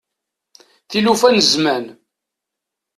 Tilufa n zzman.